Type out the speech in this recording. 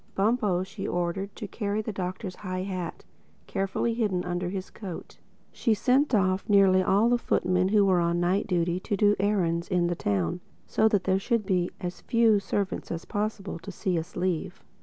Bumpo she ordered to carry the Doctor's high hat—carefully hidden under his coat. She sent off nearly all the footmen who were on night duty to do errands in the town, so that there should be as few servants as possible to see us leave.